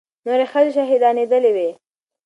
نورې ښځې شهيدانېدلې وې.